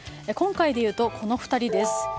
今回でいうと、この２人です。